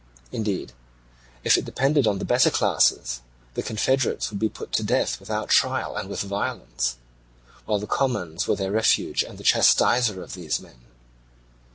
Indeed, if it depended on the better classes, the confederates would be put to death without trial and with violence; while the commons were their refuge and the chastiser of these men.